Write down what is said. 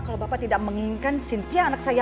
kalau bapak tidak menginginkan sintia anak saya